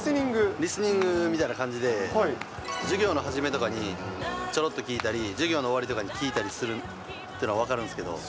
リスニングみたいな形で、授業の初めとかにちょろっと聴いたり、授業の終わりとかに聴いたりするってのは分かるんですけど。